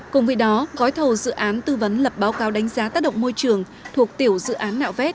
cùng với đó gói thầu dự án tư vấn lập báo cáo đánh giá tác động môi trường thuộc tiểu dự án nạo vét